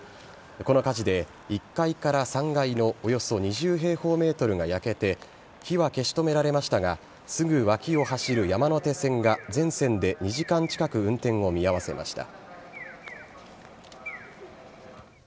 この火事で１階から３階のおよそ２０平方ｍが焼けて火は消し止められましたがすぐ脇を走る山手線が全線で２時間近く運転を見合わせました。